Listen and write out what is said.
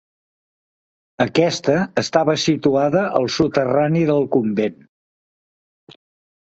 Aquesta estava situada al soterrani del convent.